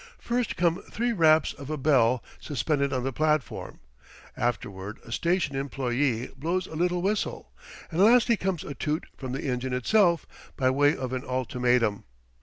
First come three raps of a bell suspended on the platform, afterward a station employe blows a little whistle, and lastly comes a toot from the engine itself, by way of an ultimatum.